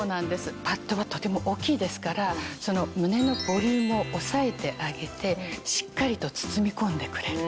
パッドはとても大きいですから胸のボリュームをおさえてあげてしっかりと包み込んでくれる。